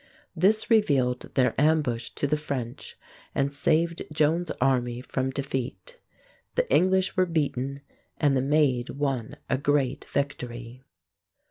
This revealed their ambush to the French, and saved Joan's army from defeat. The English were beaten, and the Maid won a great victory.